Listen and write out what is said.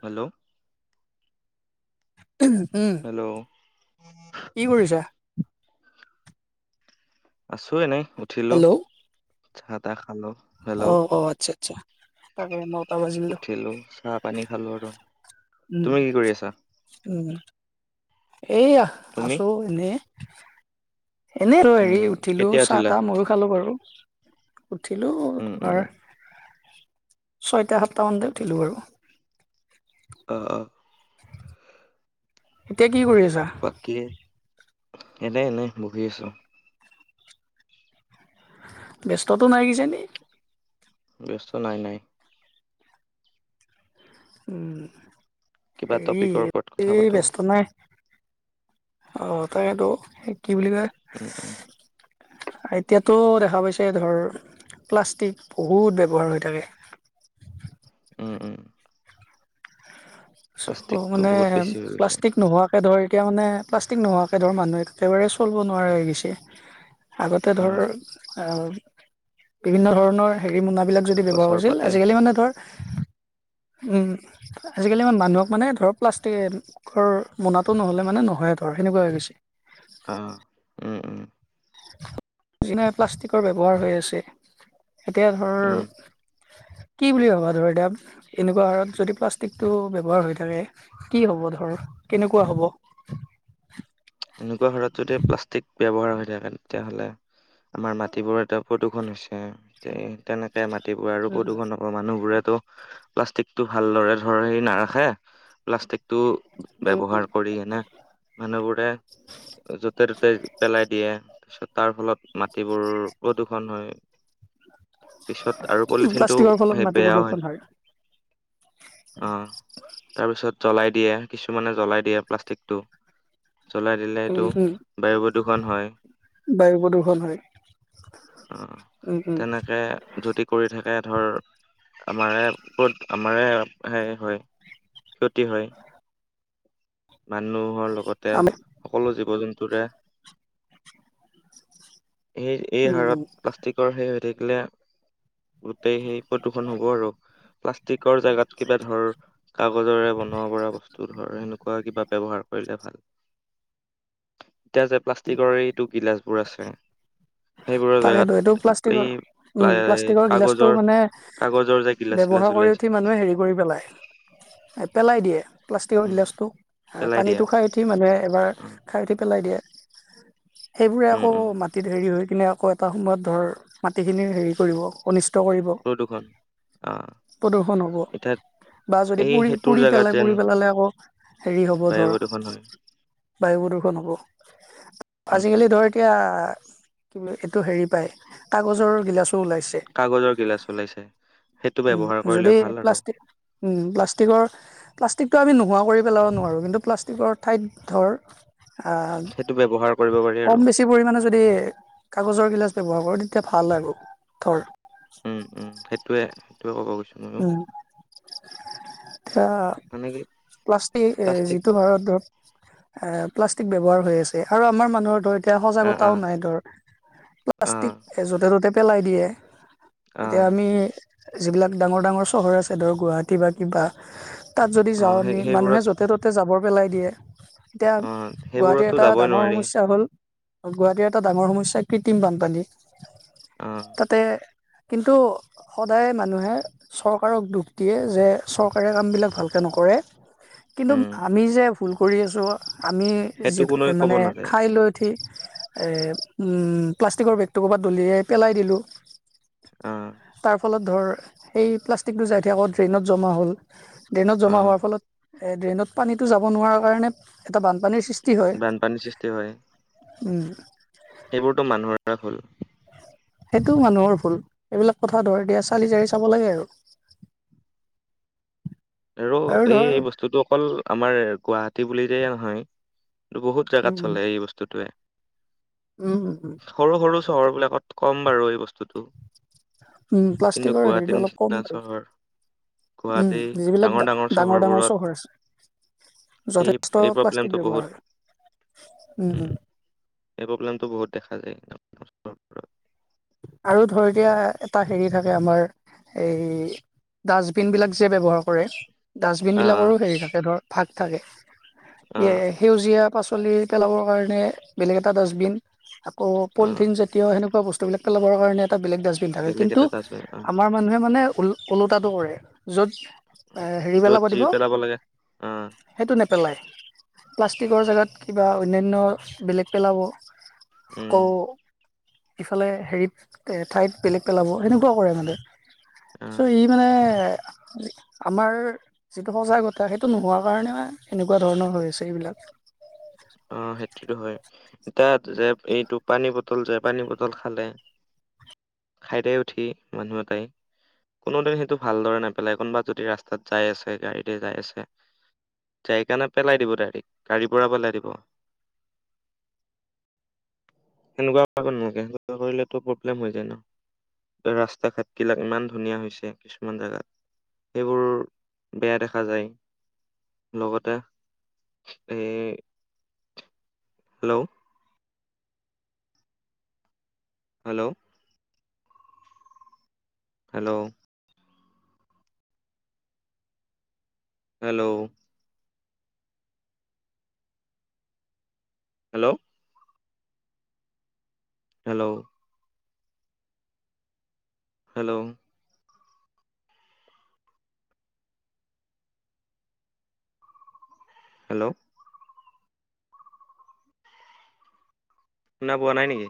Hello. উম hello. কি কৰিছা? আছো এনেই, উঠিলো হেল্ল' চাহ তাহ খালোঁ। অ', অ' আচ্ছা আচ্ছা, তাকে নটা বাজিলিলতো। উঠিলো চাহ পানী খালো আৰু উম, তুমি কি কৰি আছা উম। এইয়া তুমি আছোঁ এনেই। এনে আৰু হেৰি উম উঠিলোঁ, কেতিয়া চাহ উঠিলা তাহ ময়ো খালোঁ বাৰু। উঠিলোঁ উম উম তোমাৰ ছয়টা সাতটা মানতে উঠিলোঁ বাৰু। অ', অ'। এতিয়া কি কৰি আছা? বাকী এনে এনে বহি আছোঁ। ব্যস্ততো নাই কিজানি? ব্যস্ত নাই নাই। উম, কিবা এই টপিকৰ ওপৰত কথা এই পাতো ব্যস্ত নাই। অ' তাকেইতো কি বুলি কয়? উম উম এতিয়াতো দেখা পাইছে ধৰ প্লাষ্টিক বহুত ব্যৱহাৰ হৈ থাকে। [inaudible] উম, উম। চ প্লাষ্টিকটো মানে বহুত বেছি হৈ গৈছে প্লাষ্টিক নোহোৱাকে ধৰি এতিয়া মানে প্লাষ্টিক নোহোৱাকে ধৰ মানুহ একেবাৰে চলিব নোৱাৰা হৈ গৈছে। আগতে ধৰ আহ বিভিন্ন ধৰণৰ হেৰি মোনাবিলাক যদি ব্যৱহাৰ গছৰ কৰিছিল, পাতে আজালি মানে ধৰ, উম আজিকালি ইমান মানুহক মানে ধৰক প্লাষ্টিকেৰ মনাটো নহ'লে মানে নহয়েই ধৰ সেনেকুৱা হৈ গৈছে। আহ উম উম যেনে প্লাষ্টিকৰ ব্যৱহাৰ হৈ আছে এতিয়া ধৰ উম হয় কি বুলি ভাবা ধৰ এতিয়া এনেকুৱা হাৰত যদি প্লাষ্টিকটো ব্যৱহাৰ হৈ থাকে কি হ'ব ধৰ কেনেকুৱা হ'ব? এনেকুৱা হাৰত যদি প্লাষ্টিক ব্যৱহাৰ হৈ থাকে তেতিয়াহ'লে আমাৰ মাটিবোৰ এটা প্ৰদূৰ্ষন হৈছে এ তেনেকে মাটিবোৰ আৰু উম প্ৰদূৰন হব মানুহবোৰে প্লাষ্টিকটো ভালদ ধৰ হেৰি নাৰাখে প্লাষ্টিক টো উম উম ব্যৱহাৰ কৰি এনে মানুহবোৰে যতে ততে পেলাই দিয়ে। তাৰপিছত তাৰ ফলত মাটিবোৰ প্ৰদূ্ষণ হয়। পিছত আৰু উম পলিথিনটো প্লাষ্টিকৰ ফলত সেই বেয়াও হয় ন'। উম তাৰ পিছত জ্বলাই দিয়ে কিছুমানে জ্বলাই দিয়ে প্লাষ্টিকটো। চলাই দিলেটো উম উম বায়ু প্ৰদূষণ হয়। বায়ু প্ৰদূষণ হয় অ' উম উম তেনেকে যদি কৰি থাকে ধৰ আমাৰে ক'ত আমাৰে সেই হয়। ক্ষতি হয়। মানুহৰ লগতে আমি সকলো জীৱ জন্তুৰে এই -এই উম হাৰত উম প্লাষ্টিকৰ সেই হৈ থাকিলে গোটেই সেই প্ৰদূষণ হ'ব আৰু। প্লাষ্টিকৰ জেগাত কিবা ধৰ কাগজৰে বনাব পৰা বস্তু ধৰ সেনে কিবা ব্যৱহাৰ কৰিলে ভাল। এতিয়া যে প্লাষ্টিকৰ এইটো গিলাচ বোৰ আছে। সেইবোৰৰ জেগাত তাকেইেতো এইটো এই প্লাষ্টিকৰ। উম, প্লাই- প্লাষ্টিকৰ গিলাচটো কাগজৰ মানে কাগজৰ যে গিলাচ চিলাচ ব্যৱহাৰ কৰি ওলাইছে উঠি মানুহে হেৰি কৰি পেলাই। পেলাই দিয়ে প্লাষ্টিকৰ উম গিলাচটো এ পেলাই দিয়া পানীটো খাই উঠি মানুহে এবাৰ অ খাই উঠি পেলাই দিয়ে। সেইবোৰে উম আকৌ উম মাটিত হেৰি হৈ নে আকৌ এটা সময়ত ধৰ মাটিখিনি হেৰি কৰিব অন প্ৰদূষণ। অ প্ৰদূষণ হ'ব। এতিয়া বা যদি এই পুৰি- সেইটোৰ পুৰি জেগাত পেলাই যেন পুৰি পেলালে আকৌ হেৰি হ'ব বায়ু ধৰা প্ৰদূষণ হয় বায়ু প্ৰদূষণ হ'ব উম আজিকালি ধৰ এতিয়া কি এইটো হেৰি পায় কাগজৰ গিলাচ কাগজৰ গিলাচ ওলাইছে। সেইটো উম, ব্যৱহাৰ কৰিলে যদি ভাল আৰু প্লাষ্টিক উম, প্লাষ্টিকৰ প্লাষ্টিকটো আমি নোহোৱাও কৰি পেলাব নোৱাৰোঁ কিন্তু প্লাষ্টিকৰ ঠাইত ধৰ আহ, সেইটো ব্যৱহাৰ কৰিব পাৰি কম আৰু বেছি পৰিমাণে যদি কাগজৰ গিলাচ ব্যৱহাৰ কৰোঁ তেতিয়া ভাল আৰু ধৰ উম, উম, সেইটোৱে সেইটোৱে ক'ব গৈছো ময়ো। উম, এতিয়া মানে কি প্লাষ্টিক প্লাষ্টিক যিটো ভাৰতত এ প্লাষ্টিক ব্যৱহাৰ হৈ আছে আৰু আমাৰ মানুহৰ ধ এতিয়া আহ সজাগতাও আহ নাই ধৰ প্লাষ্টিক আহ এ যতে ত'তে পেলাই দিয়ে। এতিয়া আহ আমি যিবিলাক ডাঙৰ ডাঙৰ চহৰ আছে ধৰ গুৱাহাটী বা কিবা তাত যদি অ যাওঁ সেই আমি মানুহে সেইবোৰত য'তে ত'তে জাবৰ পেলাই দিয়ে এতিয়া অ গুৱাহাটীৰ সেইবোৰতো এটা যাবই ডাঙৰ নোৱাৰি সমস্যা হ'ল গুৱাহাটীৰ এটা ডাঙৰ সমস্যা কৃত্ৰিম বানপানী। অ তাতে কিন্তু সদায় মানুহে চৰকাৰক দোষ দিয়ে যে চৰকাৰে কাম বিলাক ভালকে নকৰে। কিন্তু উম আমি যে ভুল কৰি আছোঁ আমি সেইটো যি কোনোৱে ক'ব মানে নাযায় খাই লৈ উঠি এ, উম, প্লাষ্টিকৰ বেগটো ক'ৰবাত দলিয়াই পেলাই দিলো। অ তাৰ ফলত ধৰ, সেই প্লাষ্টিকটো যাইঠিয় আকৌ ড্ৰেইনত জমা হ'ল। ড্ৰেইনত অ জমা হোৱাৰ ফলত, এ ড্ৰেইনত পানীতটো যাব নোৱাৰা কাৰণে, এটা বান বানপানীৰ সৃষ্টি হয়। উম, সেইবোৰতো মানুহৰে ভুল। সেইটো মানুহৰ ভুল, এইবিলাক কথা ধৰ এতিয়া চালি জাৰি চাব লাগে আৰু। [inaudible] আৰু এই বস্তুটো অকল আমাৰ গুৱাহাটীৰ বুলিয়েই নহয় এটো বহুত জেগাত চলে, এই বস্তুটোৱে। উম, উম, সৰু সৰু চহৰ বিলাকত কম বাৰু এই বস্তুটুটো। উম কিন্তু প্লাষ্টিকৰ হেৰিটো গুৱাহাটীৰ অলপ কম নিচিনা বাৰু চহৰ, উম গুৱাহাটীৰ যিবিলাক ডাঙৰ ডাঙৰ ডাঙৰ চহৰবোৰত চহৰ আছে যথেষ্ট এই-এই প্লাষ্টিক প্ৰব্লেমটো ব্যৱহাৰ বহুত। হয় উম, এই প্ৰব্লেমটো বহুত দেখা যায়। আৰু ধৰ এতিয়া, এটা হেৰি থাকে আমাৰ এই, ডাষ্টবিন বিলাক যে ব্যৱহাৰ কৰে ডাষ্টবিন অ বিলাকৰো অ হেৰি থাকে ধৰ ভাগ থাকে, অ এ সেউজীয়া শাক পাচলি পেলাবৰ কাৰণে বেলেগ এটা ডাষ্টবিন, আকৌ অ পলিথিন জাতীয় সেনেকুৱা বস্তু বিলাক পেলাবৰ কাৰণে এটা বেলেগ ডাষ্টবিন থাকে, বেলেগ কিন্তু এটা ডাষ্টবিন অ আমাৰ মানুহে মানে ওলো-ওলোটাটো কৰে, য'ত আ হেৰি য'ত পেলাব যি দিব, লাগে অ সেইটো ন পেলাই, প্লাষ্টিকৰ জেগাত কিবা অন্যান্য বেলেগ পেলাব। উম, আকৌ ইফালে হেৰিত, ঠাইত বেলেগ পেলাব, সেনেকুৱাও কৰে মানে। অ চ' ই মানে আমাৰ যিটো সজাগতা, সেইটো নোহোৱা কাৰণে মানে এনেকুৱা ধৰণৰ হৈ আছে এইবিলাক। সেইটো হয়। তাত যে এইটো পানী বটল যে পানী বটল খালে খাইতে উঠি মানুহ এটাই কোনোদিন সেইটো ভালদৰে নেপেলাই, কোনোবা যদি ৰাস্তাত যাই আছে, গাড়ীতে যাই আছে জাইকানে পেলাই দিব ডাইৰেক্ট, গাড়ীৰ পৰা পেলাই দিব আ সনেকুৱা [unintelligible] কৰিলেটু প্ৰব্লেম হৈ যায় ন'। ৰাস্তা ঘাটবিলাক ইমান ধুনীয়া হৈছে, কিছুমান জেগাত। সেইবোৰ, বেয়া দেখা যায়। লগতে, এই, hello hello! Hello! Hello hello! Hello! Hello! Hello! শুনা পোৱা নাই নেকি?